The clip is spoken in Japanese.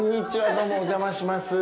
どうもお邪魔します。